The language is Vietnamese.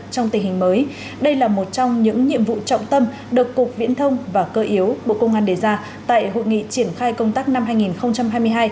trong tình hình mới đây là một trong những nhiệm vụ trọng tâm được cục viễn thông và cơ yếu bộ công an đề ra tại hội nghị triển khai công tác năm hai nghìn hai mươi hai